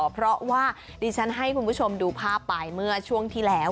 เพราะว่าดิฉันให้คุณผู้ชมดูภาพไปเมื่อช่วงที่แล้ว